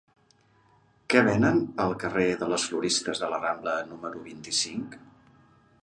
Què venen al carrer de les Floristes de la Rambla número vint-i-cinc?